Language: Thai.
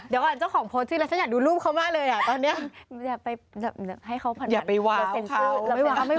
เดี๋ยวก่อนเจ้าของโพสต์ที่แล้วฉันอยากดูรูปเขามากเลยอ่ะตอนนี้